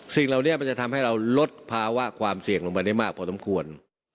สิ่งเหล่านี้มันจะทำให้เราลดภาวะความเสี่ยงลงไปได้มากพอสมควร